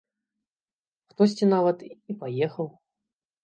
Хтосьці нават і паехаў.